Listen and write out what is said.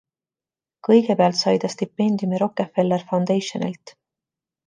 Kõigepealt sai ta stipendiumi Rockefeller Foundationilt.